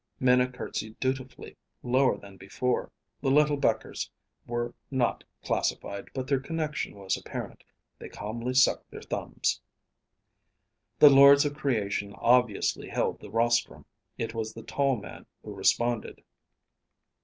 Minna courtesied dutifully, lower than before. The little Bechers were not classified, but their connection was apparent. They calmly sucked their thumbs. The lords of creation obviously held the rostrum. It was the tall man who responded.